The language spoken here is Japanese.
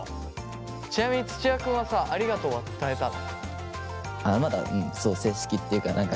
ちなみに土屋君はさありがとうは伝えたの？